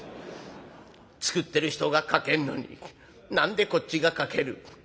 作ってる人が書けんのに何でこっちが書ける。